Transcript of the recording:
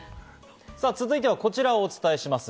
続いてはこちらをお伝えします。